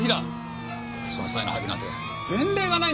その際の配備なんて前例がないんだよ前例が！